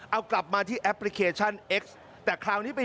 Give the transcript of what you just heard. เอากลับมาที่แอปพลิเคชันเอ็กซ์แต่คราวนี้ไป